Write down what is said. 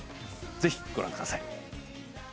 ぜひご覧ください。